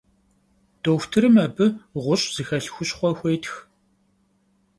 Doxutırım abı ğuş' zıxelh xuşxhue xuêtx.